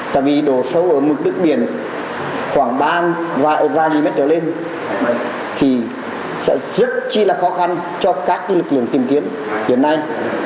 tại vì độ sâu ở mực đất biển khoảng ba vài vài nghìn mét trở lên thì sẽ rất chi là khó khăn cho các lực lượng tìm kiếm hiện nay